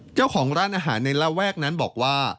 เจ้าของร้านอาหารในระแวกนั้นบอกว่า